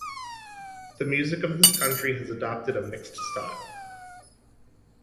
The music of this country has adopted a mixed style.